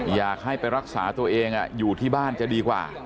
อยากให้ไปรักษาตัวเองอยู่ที่บ้านจะดีกว่า